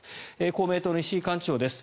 公明党の石井幹事長です。